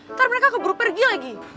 ntar mereka keburu pergi lagi